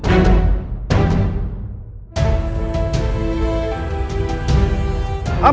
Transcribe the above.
kisah kisah yang menyebabkan kejahatan